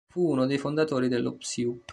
Fu uno dei fondatori dello Psiup.